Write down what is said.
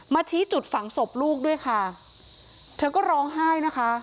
ชี้จุดฝังศพลูกด้วยค่ะเธอก็ร้องไห้นะคะ